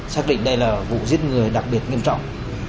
xác định đây là vụ giết người đặc biệt nghiêm trọng